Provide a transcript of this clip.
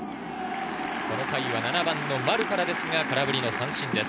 この回は７番・丸からですが空振り三振です。